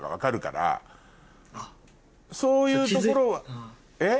そういうところは。